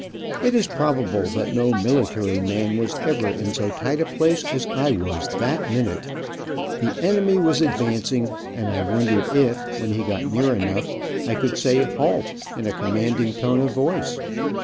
It is probable that no military man was ever in so tight a place as I was that minute. The enemy was advancing, and I wondered if, when he got near enough, I could say "halt," in a commanding tone of voice.